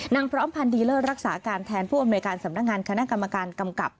นางพร้อมพันธุ์ดีลเลอร์รักษาการแทนผู้อเมริกาสำนักงานคณะกรรมการกำกับ